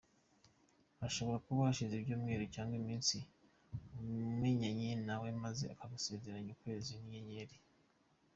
Hashobora kuba hashize ibyumweru cyangwa iminsi umenyanye nawe maze akagusezeranya ukwezi n’inyenyeri.